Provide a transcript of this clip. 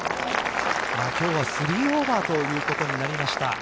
今日は３オーバーということになりました。